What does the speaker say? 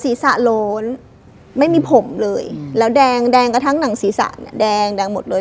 ศีรษะโล้นไม่มีผมเลยแล้วแดงแดงกระทั่งหนังศีรษะเนี่ยแดงแดงหมดเลย